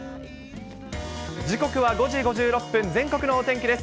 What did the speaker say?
時刻は５時５６分、全国お天気です。